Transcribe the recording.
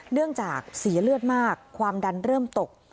เนื่องจากเสียเลือดมากความดันเริ่มตก